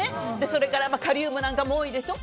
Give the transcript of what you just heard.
それからカリウムなんかも多いでしょ。